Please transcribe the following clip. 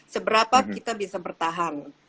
seberapa kita bisa bertahan